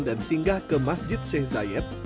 dan singgah ke masjid seh sayed